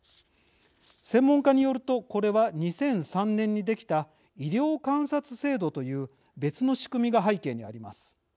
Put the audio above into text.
専門家によるとこれは２００３年に出来た医療観察制度という別の仕組みが背景にあります。